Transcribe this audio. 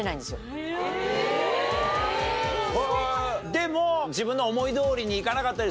でも。